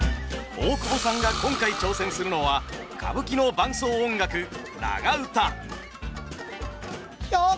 大久保さんが今回挑戦するのは歌舞伎の伴奏音楽長唄。